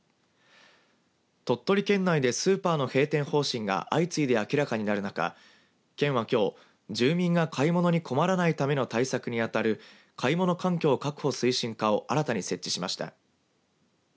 鳥取県内でスーパーの閉店方針が相次いで明らかになる中県はきょう住民が買い物に困らないための対策に当たる買物環境確保推進課を新たに設置しました。